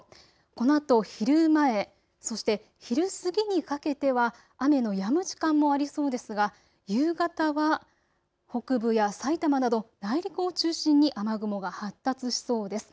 このあと昼前、そして昼過ぎにかけては雨のやむ時間もありそうですが夕方は北部やさいたまなど内陸を中心に雨雲が発達しそうです。